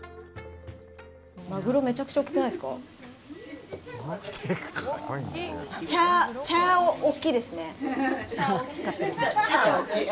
マグロめちゃくちゃ大きくないですか。